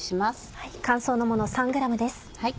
乾燥のもの３ｇです。